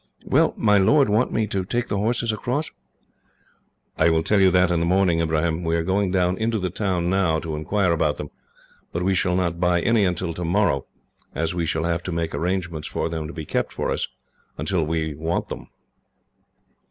Will my lord want me to take the horses across?" "I will tell you that in the morning, Ibrahim. We are going down into the town, now, to inquire about them, but we shall not buy any until tomorrow, as we shall have to make arrangements for them to be kept for us, until we want them."